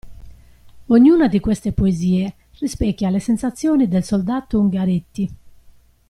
Ognuna di queste poesie rispecchia le sensazioni del soldato Ungaretti.